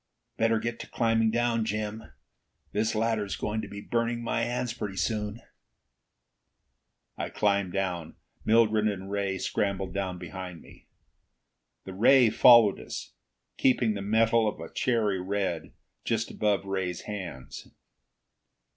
Better get to climbing down, Jim. This ladder is going to be burning my hands pretty soon." I climbed down. Mildred and Ray scrambled down behind me. The ray followed us, keeping the metal at a cherry red just above Ray's hands.